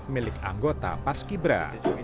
milik anggota pas kibra